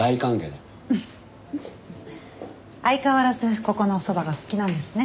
相変わらずここのお蕎麦が好きなんですね。